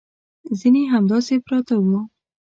ځینې همداسې پراته وو.